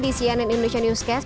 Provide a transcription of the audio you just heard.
di cnn indonesia newscast